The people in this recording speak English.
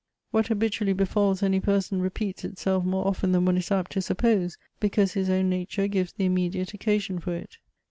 What habitually befalls any person repeats itself more often than one is apt to suppose, because his own nature gives the immedi.ate occasion for it.